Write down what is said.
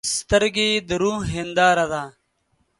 سترګې د روح هنداره ده.